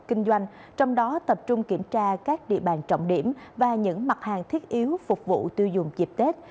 kinh doanh trong đó tập trung kiểm tra các địa bàn trọng điểm và những mặt hàng thiết yếu phục vụ tiêu dùng dịp tết